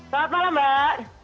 selamat malam mbak